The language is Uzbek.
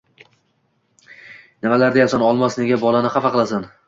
Nimalar deyapsan, Olmos? Nega bolani xafa qilasan?